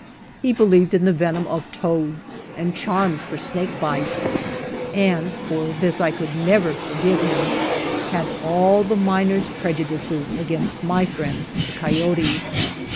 He believed in the venom of toads, and charms for snake bites, and — for this I could never forgive him — had all the miner's prejudices against my friend the coyote.